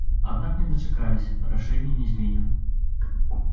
Аднак не дачакаліся, рашэнне не зменена.